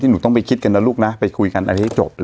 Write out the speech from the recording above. หนูต้องไปคิดกันนะลูกนะไปคุยกันอะไรให้จบ